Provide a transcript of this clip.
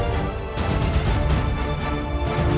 hancurkan kota yang paling tinggi